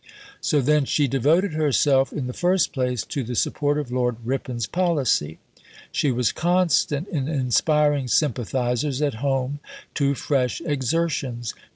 '" So, then, she devoted herself, in the first place, to the support of Lord Ripon's policy. She was constant in inspiring sympathisers at home to fresh exertions.